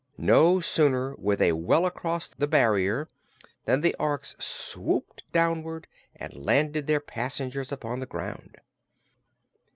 No sooner were they well across the barrier than the Orks swooped downward and landed their passengers upon the ground.